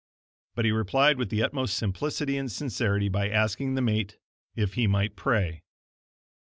But he replied with the utmost simplicity and sincerity, by asking the mate if he might pray.